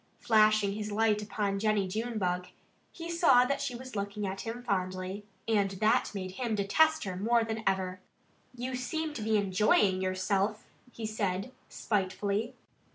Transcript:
Flashing his light upon Jennie Junebug he saw that she was looking at him fondly. And that made him detest her more than ever. "You seem to be enjoying yourself," he said spitefully.